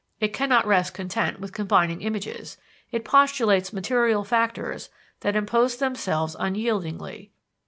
It cannot rest content with combining images, it postulates material factors that impose themselves unyieldingly.